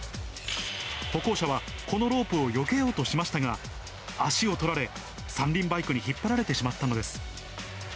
歩行者はこのロープをよけようとしましたが、足を取られ、三輪バイクに引っ張られてしまったのです。